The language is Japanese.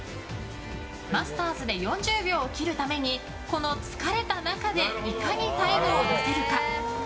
マスターズで４０秒を切るためにこの疲れた中でいかにタイムを出せるか。